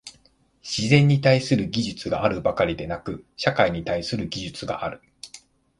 自然に対する技術があるばかりでなく、社会に対する技術がある。